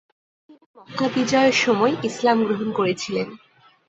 তিনি মক্কা বিজয়ের সময় ইসলাম গ্রহণ করেছিলেন।